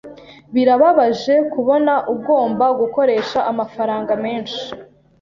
Birababaje kubona ugomba gukoresha amafaranga menshi.